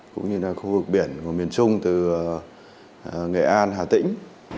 cũng như là khu vực biển của miền trung từ nghệ an hà tĩnh